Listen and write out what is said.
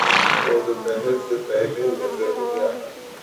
وہ دوپہر سے پہلے نظر نہیں آیا۔